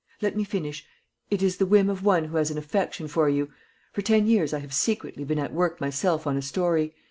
"Let me finish: it is the whim of one who has an affection for you. For ten years I have secretly been at work myself on a story.